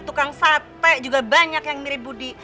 tukang sate juga banyak yang mirip budi